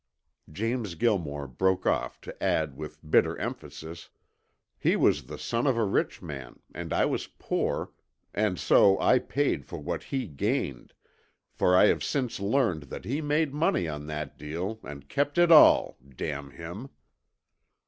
James Gilmore broke off to add with bitter emphasis, "He was the son of a rich man, and I was poor, and so I paid for what he gained, for I have since learned that he made money on that deal and kept it all, damn him!